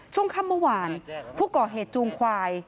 ช่วงค่ำเมื่อวานผู้ก่อเหตุจูงควาย